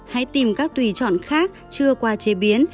hãy tìm các tùy chọn khác chưa qua chế biến